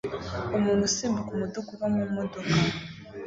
Umuntu usimbuka -umuduga uva mumodoka